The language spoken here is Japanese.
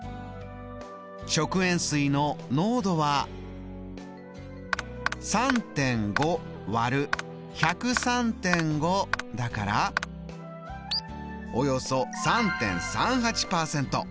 食塩水の濃度は３．５割る１０３．５だからおよそ３．３８％。